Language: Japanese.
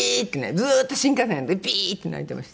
ずーっと新幹線の中でビー！って泣いてました。